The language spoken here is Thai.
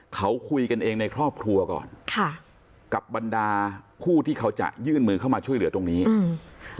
เขาคุยกันเองในครอบครัวก่อนค่ะกับบรรดาผู้ที่เขาจะยื่นมือเข้ามาช่วยเหลือตรงนี้อืม